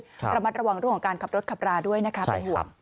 หลั่นลื่นระมัดระวังของการกับรถขับราด้วยนะคะใช่ครับ